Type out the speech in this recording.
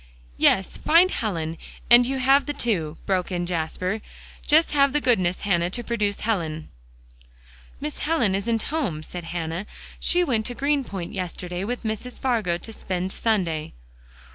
"Yes; find Helen, and you have the two," broke in Jasper. "Just have the goodness, Hannah, to produce Helen." "Miss Helen isn't home," said Hannah. "She went to Greenpoint yesterday with Mrs. Fargo to spend Sunday."